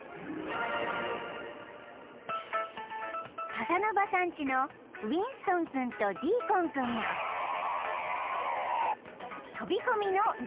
［カサノヴァさんちのウィンストン君とディーコン君が飛び込みの練習］